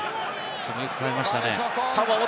よく耐えましたね。